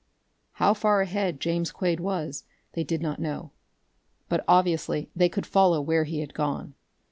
How far ahead James Quade was, they did not know, but obviously they could follow where he had gone.